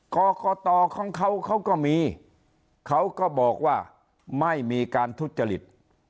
กรกตของเขาเขาก็มีเขาก็บอกว่าไม่มีการทุจริต